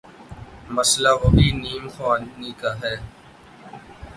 مسئلہ وہی نیم خواندگی کا ہے۔